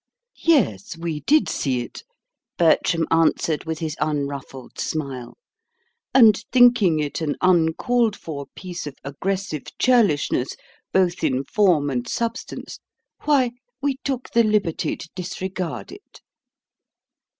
"Yes, we did see it," Bertram answered, with his unruffled smile; "and thinking it an uncalled for piece of aggressive churlishness, both in form and substance, why, we took the liberty to disregard it."